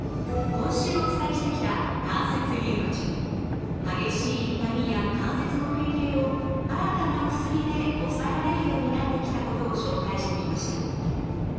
今週お伝えしてきた激しい痛みや関節の変形を新たな薬で抑えられるようになってきたことを紹介してきました。